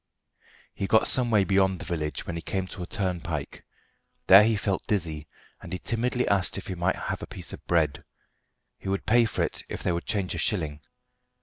He got some way beyond the village when he came to a turnpike. There he felt dizzy, and he timidly asked if he might have a piece of bread. He would pay for it if they would change a shilling.